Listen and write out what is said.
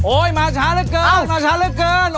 โอ้ยมาช้าเลอะเกิน